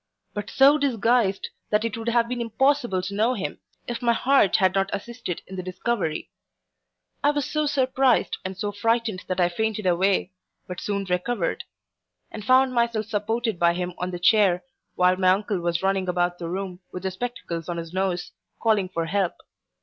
but so disguised, that it would have been impossible to know him, if my heart had not assisted in the discovery. I was so surprised, and so frightened that I fainted away, but soon recovered; and found myself supported by him on the chair, while my uncle was running about the room, with the spectacles on his nose, calling for help.